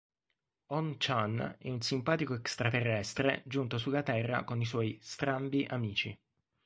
On-chan è un simpatico extraterrestre giunto sulla Terra con i suoi "strambi" amici!